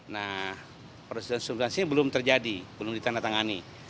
nah proses yang sebelumnya belum terjadi belum ditandatangani